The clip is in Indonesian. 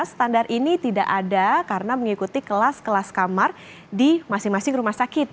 standar ini tidak ada karena mengikuti kelas kelas kamar di masing masing rumah sakit